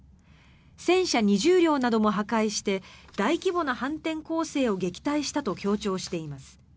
戦車２０両なども破壊して大規模な反転攻勢を撃退したと強調しています。